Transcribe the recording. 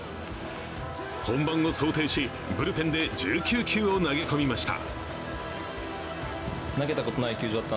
本番を想定しブルペンで１９球を投げ込みました。